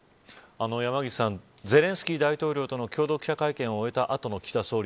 山岸さん、ゼレンスキー大統領との共同記者会見を終えた後の岸田総理。